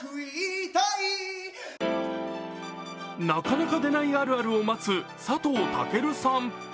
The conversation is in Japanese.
なかなか出ないあるあるを待つ佐藤健さん。